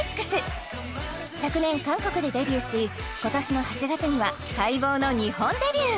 昨年韓国でデビューし今年の８月には待望の日本デビュー